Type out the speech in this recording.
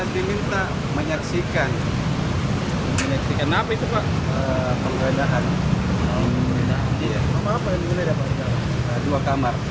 diminta menyaksikan penggeledahan dua kamar